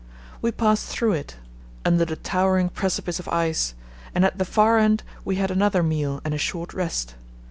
We passed through it, under the towering precipice of ice, and at the far end we had another meal and a short rest.